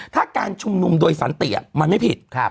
ถ้าการชุมนุมโดยสันติมันไม่ผิด